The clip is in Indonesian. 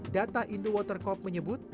data indo water corp menyebut